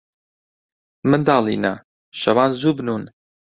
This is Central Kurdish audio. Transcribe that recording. منداڵینە، شەوان زوو بنوون.